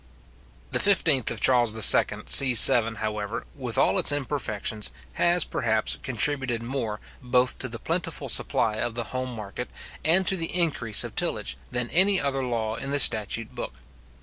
The 15th of Charles II. c. 7, however, with all its imperfections, has, perhaps, contributed more, both to the plentiful supply of the home market, and to the increase of tillage, than any other law in the statute book.